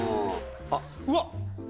あっうわ！